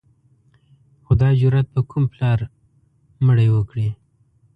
خو دا جرأت به کوم پلار مړی وکړي.